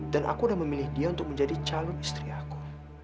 dan aku sudah memilih dia untuk menjadi calon istri aku